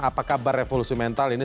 apa kabar revolusi mental ini